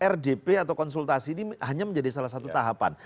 rdp atau konsultasi ini hanya menjadi salah satu tahapan